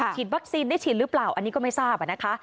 ฉีดวัคซีนได้ฉีดหรือเปล่าอันนี้ก็ไม่ทราบนะคะ